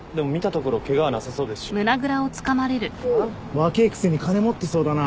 若えくせに金持ってそうだな。